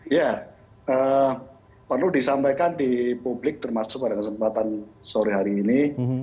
ya perlu disampaikan di publik termasuk pada kesempatan sore hari ini